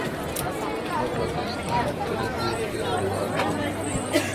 مہ پاکستان ترقی کر دعا تو